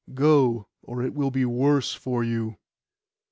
Go, or it will be worse for you.